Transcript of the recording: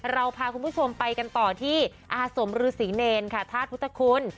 เราพาคุณผู้ชมไปกันต่อที่อาสมฤษีเนรค่ะธาตุพุทธคุณ